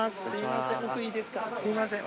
すいません。